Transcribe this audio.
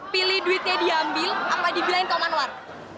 pilih duitnya diambil apa dibilangin kau manwar